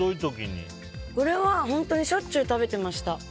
これは本当にしょっちゅう食べてました。